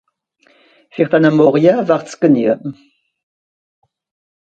Fer denne Morje wär's genue.